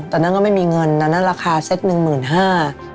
ตอนนั้นก็ไม่มีเงินตอนนั้นราคาเซ็ต๑๕๐๐๐บาท